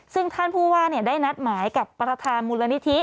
ซึ่งท่านผู้ว่าได้นัดหมายกับประธานมูลนิธิ